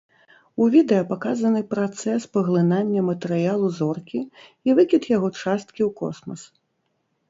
У відэа паказаны працэс паглынання матэрыялу зоркі і выкід яго часткі ў космас.